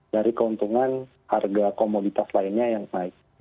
dari keuntungan harga komoditas lainnya yang naik